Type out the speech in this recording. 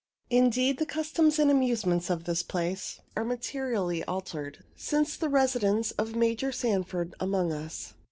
Indeed, the customs and amusements of this place are materially altered since the residence of Major Sanford among us.